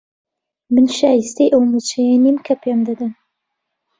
من شایستەی ئەو مووچەیە نیم کە پێم دەدەن.